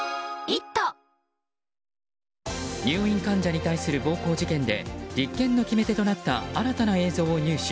入院患者に対する暴行事件で立件の決め手となった新たな映像を入手。